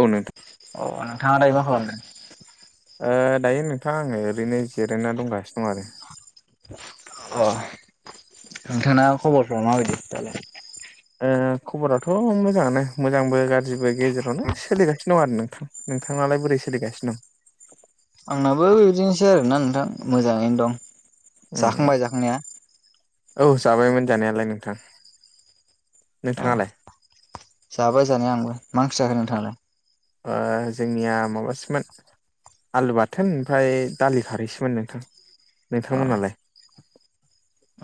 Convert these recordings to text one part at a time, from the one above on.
औ नोंथां ओ नोंथांआ दायो मा खालामदों? ओ दायो नोंथां आङो ओरैनो जिरायना दंगासिनो दं आरो अ नोंथांना ख'ब'र फोरा माबायदि दालाय? ओ खबराथ' मोजांआनो मोजांबो गाज्रिबो गेजेरावनो सोलिगासिनो दं आरो नोंथां नोंथांनालाय बोरै सोलिगासिनो दं आंनाबो बिदिनोसै आरोना नोंथां मोजाङैनो दं उम जाखांबाय जाखांनाया। औ जाबायमोन जानायालाय नोंथां नोंथांआलाय जाबाय जानाया आंबो मा ओंख्रि जाखो नोंथांआलाय? ओ जोंनिआ माबासोमोन आलु बाथोन आमफ्राय दालि खारहैसोमोन नोंथां नोंथांमोनालाय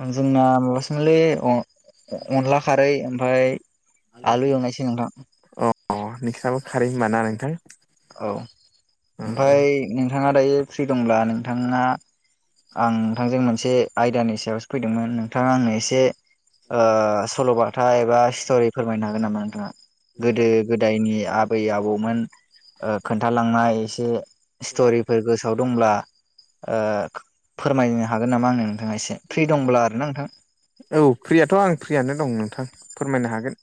उम जोंना माबासो मोनलै आं उम अनला खारै आमफाय आलु एवनायसो नोंथां अ नोंसिनाबो खारै होमबा ना नोंथां औ ओ आमफाय नोंथांआ दायो फ्रि दंब्ला नोंथांआ आं नोंथांजों मोनसे आयदानि सायावसो फैदोंमोन नोंथांआ आंनो एसे ओ सल'बाथा एबा स्ट'रि फोरमायनो हागोन नामा नोंथांआ‌ गोदो गोदायनि आबै आबौमोन ओ खोनथालांनाय एसे ओ स्ट'रिफोर गोसोआव दंब्ला ओ फोरमायनो हागोन नामा आंनो नोंथांआ एसे फ्रि दंब्ला आरो ना नोंथां औ फ्रियाथ' आं फ्रिआनो दं नोंथां फोरमायनो हागोन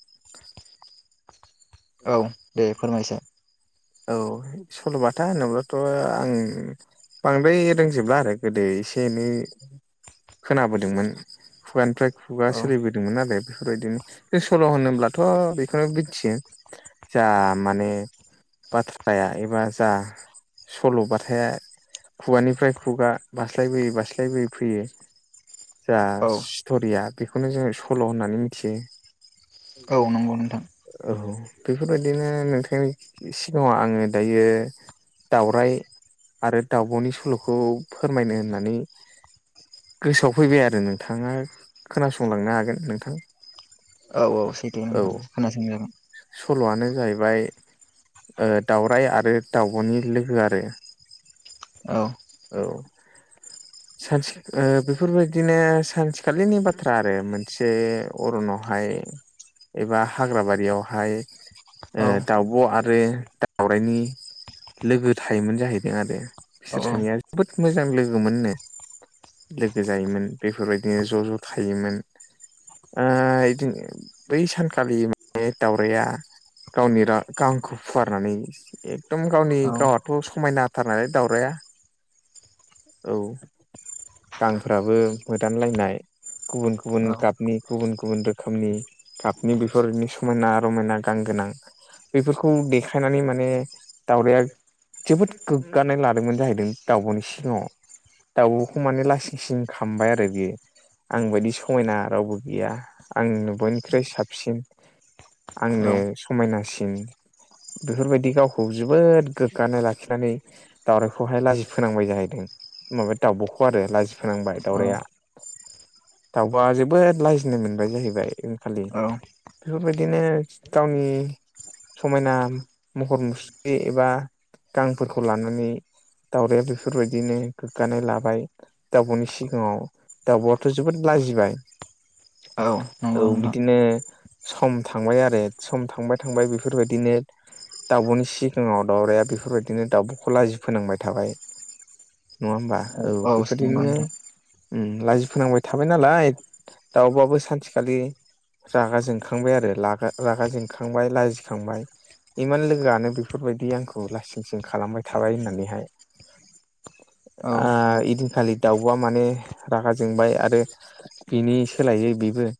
औ दे फोरमायसाय औ सल'बाथा होनोब्लाथ' आंङो बांद्राय रोंजोबला आरो गोदो एसे एनै खोनाबोदोंमोन खुगा निफ्राय खुगा औ सोलिबोदो दोंमोन आरो बेफोरबादिनो सल' होनोब्लाथ' बेखौनो मिथियो जा माने बाथ्राया एबा जा सल'बथाया खुगानिफ्राय खुगा बास्लायबोयै बास्लायबोयै फैयो जा औ स्ट'रिया बेखौनो जोङो सल' होननानै मिथियो औ नंगौ नोंथां औ बेफोरबायदिनो नोंथांनि सिगाङाव आङो दायो दाउराइ आरो दाउब'नि सल'खौ फोरमायनो होननानै गोसोआव फैबाय आरो नोंथाङा खोनासंलांनो हागोन नोंथां औ-औ [unintelligible] औ खोनासंजागोन सल'आनो जाहैबाय ओ दाउराइ आरो दाउब'नि लोगो आरो औ औ सानस बेफोरबायदि -नो सानसेखालिनि बाथ्रा आरो मोनसे अरनावहाय एबा हाग्राबारियावहाय औ दाउब' आरो दावराइनि लोगो थायोमोन जाहैदों आरो औ बिसोर औ सानैया जोबोद मोजां लोगोमोननो लोगो जायोमोन बेफोरबायदिनो ज' ज' थायोमोन आ इदिनो बै सानखालि माने दाउराया गावनि गांखौ फुवारनानै एकदम गावनि औ गावआथ' समायना थारनालाय दाउराया औ गांफोराबो मोदानलायनाय गुबुन गुबुन गाबनि गुबुन गुबुन रोखोमनि गाबनि बेफोरबादिनो समायना रमायना गां गोनां बेफोरखौ खौ देखायनानै माने दावराया जोबोद गोग्गानाय लादोंमोन जाहैदों दाउब'नि सिगाङाव दाउबखौ माने लासिं सिं खामबाय आरो बेयो आं बायदि समायना रावबो गैया आंनो बयनिख्रुइ साबसिन आंनो औ समायनासिन बेफोरबायदि गावखौ जोबोद गोग्गानाय लाखिनानै दावरायखौहाय लाजि फोनांबाय जाहैदों माबा दाउब'खौ आरो लाजि फोनांबाय दाउराया दाउबआ जोबोद लाजिनो मोनबाय जाहैबाय यैखालि औ बेफोरबायदिनो गावनि समायना महर मुस्रि एबा गांफोरखौ लानानै दाउराया बेफोरबायदिनो गोग्गानाय लाबाय दाउब'नि सिगाङाव दाउब'आथ' जोबोद लाजिबाय औ औ नंगौ नोंथां बिदिनो सम थांबाय आरो सम थांबाय थांबाय बे बेफोरबादिनो दाउब'नि सिगाङाव दावराया बेफोरबायदिनो दाउब'खौ लाजि फोनांबाय थाबाय नङा होमबा औ बेफोरबायदिनो ओम लाजि फोनांबाय थाबाय नालाय दाउबाबो सानसेखालि रागा जोंखांबाय आरो लागा रागा जोंखांबाय लाजिखांबाय इमान लोगोआनो बेफोरबायदि आंखौ लाइसिंसिं खालामबाय थाबाय होननानैहाय औ आ एदिनखालि दाउबआ माने रागा जोंबाय आरो बिनि सोलायै बेबो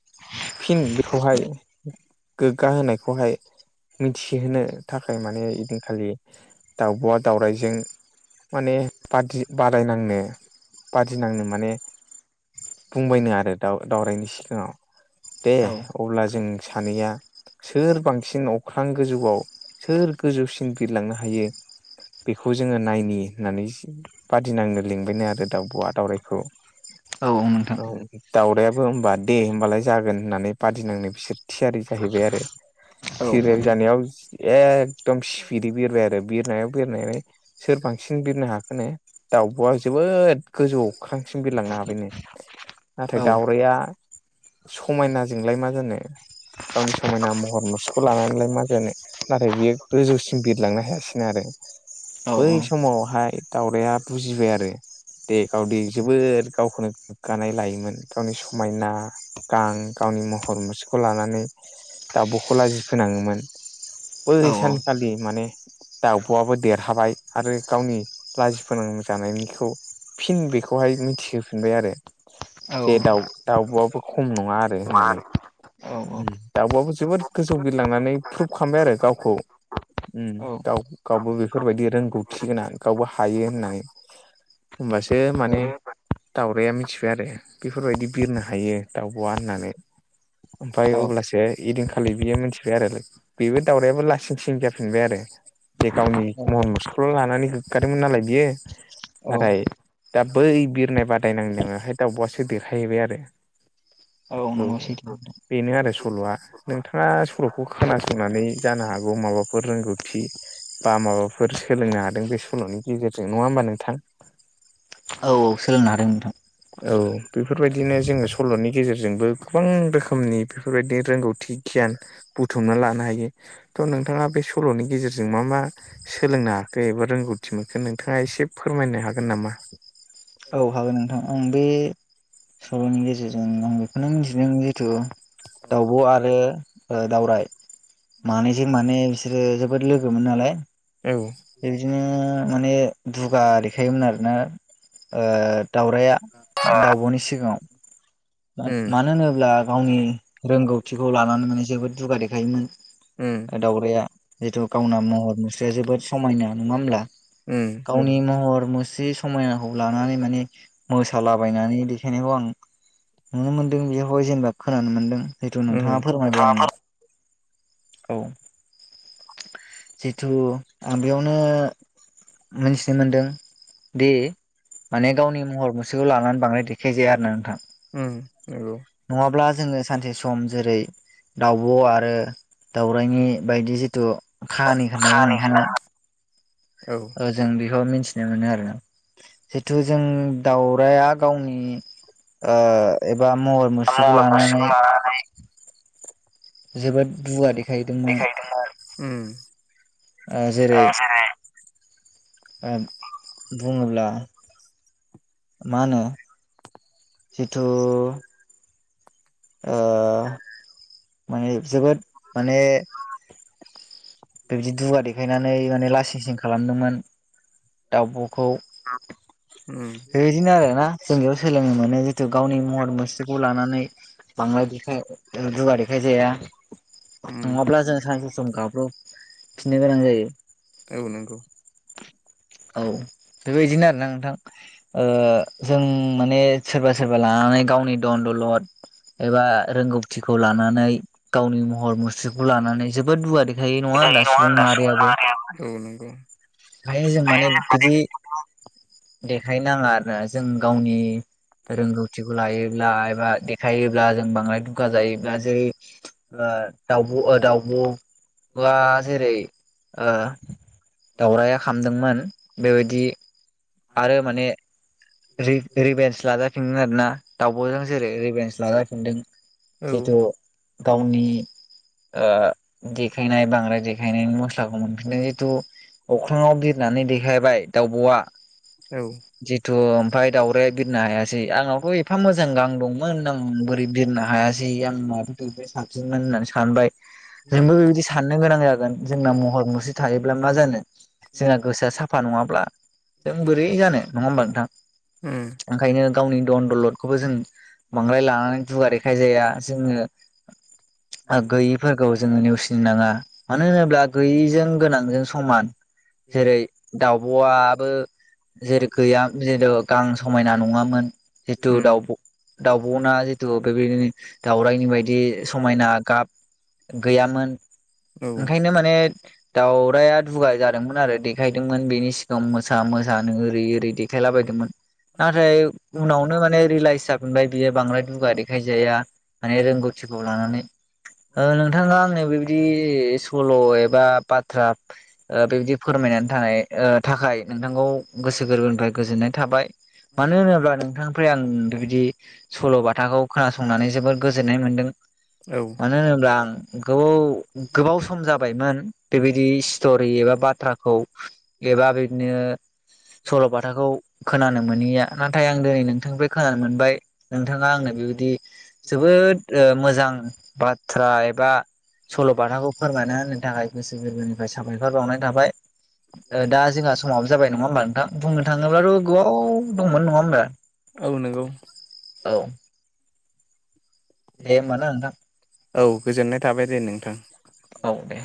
फिन बेखौहाय गोग्गा होनायखौहाय मोनथिहोनो थाखाय माने एदिनखालि दाउब'आ दाउरायजों माने बादि बादायनांनो बादिनांनो माने बुंबायनो आरो दा दावरायनि सिगाङाव दे औ अब्ला जों सानैया सोर बांसिन अख्रां गोजौआव सोर गोजौसिन बिरलांनो हायो बेखौ जोङो नायनि होननानै बादिनांनो लिंबायनो आरो दाउब'आ दावउरायखौ। औ नोंथां‌। दावरायाबो होमबा दे होमबालाय जागोन होननानै बादिनांनो बिसोर थियारि जाहैबाय आरो। औ थिरल जानायाव एकदम स्पिदै बिरबाय आरो बिरनायाव बेरनानै सोर बांसिन बिरनो हाखोन नो? दाउब'आ जोबोद गोजौ अख्रां सिम बिरलांनो हाबायनो। नाथाय औ दाउराइया समायनाजोंलाय मा जानो गावनि समायना महर मुस्रिखौ खौ लानानैलाय मा जानो नाथाय बेयो गोजौसिम बिरलांनो हायासिनो आरो। औ बै समावहाय दाउरायया बुजिबाय आरो। दे गावदे जोबोद गावखौनो गोग्गानाय लायोमोन गावनि समायना गां गावनि महर मुसेखौ लानानै दाब'खौ लाजि फोनाङोमोन। बै सानखालि माने दाउब'आबो देरहाबाय आरो गावनि लाजि फोनां जानायनिखौ फिन बेखौहाय मिनथिहोफिनबाय आरो। जे दाउ दाउब'आबो खम नङा आरो होननानै। दाउबआबो जोबोद गोजौ बिलांनानै प्रुभ खालामबाय आरो गावखौ। गाव गावबो बेफोरबायदि रोंगौथि गोनां गावबो हायो होननानै। होमबासो माने दाउरायया मिथिबाय आरो बेफोरबायदि बिरनो हायो दाउब'आ होननानै। ओमफ्राय अब्लासो इदिं खालि बियो मिथिबाय आरो बेबो दाउरायाबो लासिं सिं जाफिनबाय आरो। जे गावनि महर मुसृकौल' लानानै गोग्गादोंमोन नालाय बियो। औ औ नाथाय दा बै बिरनाय बादायनांनायहाय दाउब'आसो देरहाहैबाय आरो। औ नंगौ सैथो बेनो आरो सल'आ नों बिथाङा सल'खौ खोनासंनानै जानो हागौ माबाफोर रोंगौथि बा माबाफोर सोलोंनो हादों बे सल'नि गेजेरजों नङा होमबा नोंथां? औ औ सोलोंनो हादों नोंथां। औ बेफोरबायदिनो जोङो सल'नि गेजेरजोंबो गोबां रोखोमनि बेफोरबायदि रोंगौथि गियान बुथुमना लानो हायो थ' नोंथाङा बे सल'नि गेजेरजों मा मा सोलोंनो हाखो एबा रोंगौथि मोनखो नोंथाङा एसे फोरमायनो हागोन नामा? औ हागोन नोंथां आं बे सल'नि गेजेरजों आं बेखौनो मिथिदों जिथु दावब' आरो दावराइ मानैजों मानै बि बिसोरो जोबोद लोग मोन नालाय। औ। बेदिनो माने दुगा देखायोमोन आरोना। ओ दाउरायया दाउब'नि सिगाङाव उम मानो होनोब्ला गावनि रोंगौथिखौ लानानै माने जोबोद दुगा देखायोमोन। उम दाउरायया जिथु गावना महर मुस्रिया जोबोद समायना नङा होमब्ला? उम गावनि महर मुस्रि समायनाखौ लानानै माने मोसालाबायनानै देखायनायखौ आं नुनो मोनदों बेयावहाय जेनेबा खोनानो मोनदों जिथु नोंथाङा उम फोरमायबाय आंनो। औ। जिथु आं बेयावनो मिथिनो मोनदों दि माने गावनि महर मुस बिसोखौ लानानै बांदाय देखायजाया आरो ना नोंथां। ओम नंगौ। नङाब्ला जोङो सानसे सम जेरै दाउब' आरो दाउरनि बायदि जिथु खाहानि खोन्थादों नोंथाङा। औ। ओ जों बेखौ मिथिनो मोनो आरो, जिथु जों दाउराया गावनि ओ एबा महर मुस्रिखौ महर लानानै [unintelligible] जोबोद बुवारै उम ओ जेरै ओ बुङोब्ला मा होनो जिथु ओ माने जोबोद माने बेबायदि दुगा देखायनानै माने लासिं सिं खालामदोंमोन दाउब'खौ। ओम बिदिनो आरो ना जों बेयाव सोलोंनो मोनो जिथु गावनि महर मुस्रिखौ लानानै बांद्राय देखाय दुगा देखाय जाया नङाब्ला जों सानसे सम गाब्रब फिननो गोनां जायो। औ नंगौ। औ बेबायदिनो आरोना नोंथां। ओ जों माने सोरबा सोरबा लानानै गावनि दन दौलद एबा रोंगौथिखौ लानानै गावनि महर मुस्रिखौ लानानै जोबोद दुगा दे थायो नङा गैयै होनदा सुबुं होनबा माहारियाबो? औ नंगौ बेखायनो जों औ माने बिदि देखाय नाङा आरोना जों गावनि रोंगौथिखौ लायोब्ला एबा देखायोब्ला जों बांद्राय दुगा जायोब्ला जेरै ओ दाउब' दाउब' बा जेरै ओ दाउरायया खामदोंमोन बेबायदि आरो माने रिभेन्स लाजाफिनोन आरो ना। दावउब'जों जेरै रिभेन्स लाजाफिनदों औ जितु गावनि ओ देखायनाय बांद्राय देखायनायनि मस्लाखौ मोनफिनदों जितु अख्राङाव बिरनानै देखायबाय दाउब'आ जिु थ' ओमफ्राय दाउराया बिरनो हायासै आंनावथ' एफा मोजां गां दंमोन आं बोरै बिरनो हायासै जि आ माबाफोरखौ बे साबसिनमोन होननानै सानबाय। जोंबो बेबायदि साननो गोनां जागोन जोंना महर मुस्रि थायोब्ला मा जानो जोंना गोसोआ साफा नङाब्ला जों बोरै जानो नङा होमबा नोंथां? उम ओंखायनो गावनि दन दौलदखौबो जों बांद्राय लानानै दुगा दे देखायजाया जोङो गैयिफोरखौ जोङो नेवसिनो नाङा। मानो होनोब्ला गैयैजों गोनांजों समान जेरै दाउब'आबो जेरै गैयाम जेर' गां समायना नङामोन जितु उम दाउ दाउब'ना जितु बेबायदिनो दाउराइनि बायदि समायना गाब गैयामोन औ ओंखायनो माने दाउराइया दुगा जादोंमोन आरो देखायदोंमोन बेनि सिगाङाव मोसा मोसानो ओरै ओरै देखायलाबायदोंमोन नाथाय उनावनो माने रियेलाइस जफिनबाय बियो बांद्राय दुगा देखायजाया। माने रोंगौथिखौ लानानै ओ नोंथाङा आंनि बेबाय बिदि सल' एबा बाथ्रा ओ बेबदि फोरमायनानै ओ थाखाय नोंथांखौ गोसो गोरबोनिफ्राय गोजोननाय थाबाय मानो होनोब्ला नोंथां फ्राय आं बेबायदि सल' बाथाखौ खोनासंनानै जोबोर गोजोननाय मोन्दों। औ मानो होनोब्ला आं गोबाव गोबाव सम जाबायमोन। बेबायदि स्ट'रि एबा बाथ्राखौ एबा बिदिनो सल'बाथा खोथाखौ खोनानो मोनहैया नाथाय आं दिनै नोंथांनिफ्राय खोनानो मोनबाय। नोंथाङा आंनो बेबायदि जोबोद ओ मोजां बाथ्रा एबा सल'बाथाखौ फोरमायना होनो थाखाय गोसो गोरबोनिफ्राय साबायखर बावनाय थाबाय। ओ दा जोंहा समाबो जाबाय नङा होमबा नोंथां? बुंनो थाङोब्लाथ' गोबाव दंमोन नङा होमबा? औ नंगौ। औ! दे होमबाना नोंथां? औ गोजोननाय थाबाय दे नोंथां। औ दे।